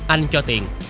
anh cho tiền